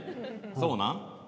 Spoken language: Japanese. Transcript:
そうなん？